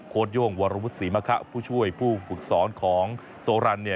โค้ดโยงวรวุฒุศรีมาคะผู้ช่วยผู้ฝึกสอนของโซรัน